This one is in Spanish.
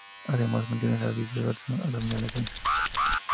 Además, mantiene las vísceras abdominales en su sitio.